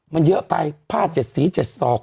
มันเยอะไปผ้าเจ็ดสีเจ็ดสอก